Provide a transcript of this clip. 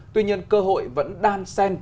tuy nhiên cơ hội vẫn đang sen